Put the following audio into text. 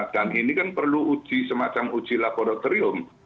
dan ini kan perlu uji semacam uji laboratorium